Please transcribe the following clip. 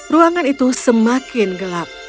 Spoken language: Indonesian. ruangan itu semakin gelap